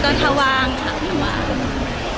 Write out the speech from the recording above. คำถามอย่างไรพวก